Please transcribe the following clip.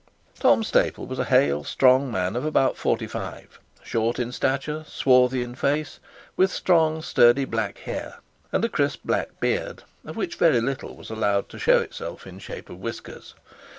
Tom Staple was a hale strong man of about forty five; short in stature, swarthy in face, with strong sturdy black hair, and crisp black beard, of which very little was allowed to show itself in the shape of whiskers.